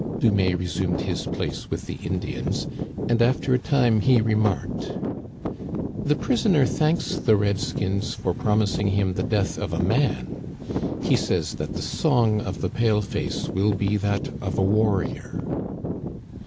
Dumais resumed his place with tiie Indians, and after a time he remarked :" The prisoner thanks the red skins for promising him the death of a man ; he says that the song of the pale face will be that of a warrior."